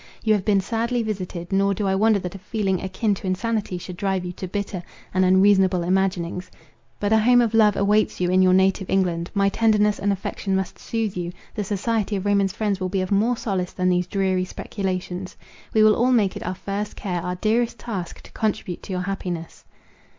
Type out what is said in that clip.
You have been sadly visited; nor do I wonder that a feeling akin to insanity should drive you to bitter and unreasonable imaginings. But a home of love awaits you in your native England. My tenderness and affection must soothe you; the society of Raymond's friends will be of more solace than these dreary speculations. We will all make it our first care, our dearest task, to contribute to your happiness."